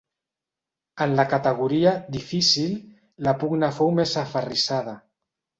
En la categoria "difícil" la pugna fou més aferrissada.